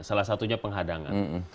salah satunya penghadangan